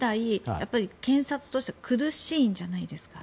やっぱり検察として苦しいんじゃないですか？